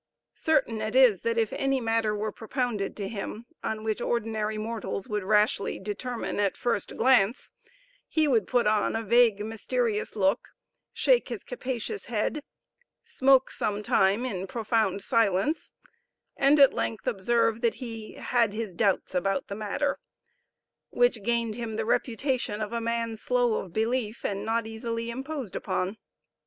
Certain it is that if any matter were propounded to him, on which ordinary mortals would rashly determine at first glance, he would put on a vague mysterious look, shake his capacious head, smoke some time in profound silence, and at length observe that "he had his doubts about the matter;" which gained him the reputation of a man slow of belief, and not easily imposed upon.